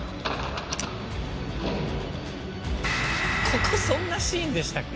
「ここそんなシーンでしたっけ？」